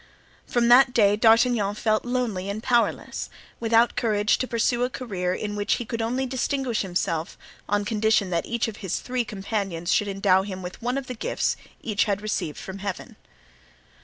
From that day D'Artagnan felt lonely and powerless, without courage to pursue a career in which he could only distinguish himself on condition that each of his three companions should endow him with one of the gifts each had received from Heaven.